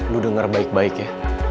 lu denger baik baik ya